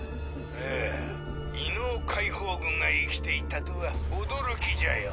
ああ異能解放軍が生きていたとは驚きじゃよ。